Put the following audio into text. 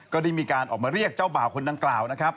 ก็ได้มีการออกมาเรียกเจ้าบ่าวคนดังกล่าวนะครับ